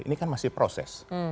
ini kan masih proses